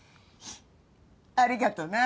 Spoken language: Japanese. ありがとな。